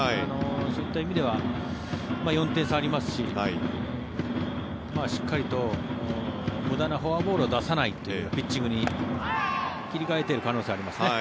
そういった意味では４点差ありますししっかりと無駄なフォアボールは出さないというピッチングに切り替えている可能性はありますね。